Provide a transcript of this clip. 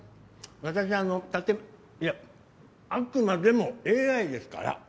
私はいやあくまでもＡＩですから。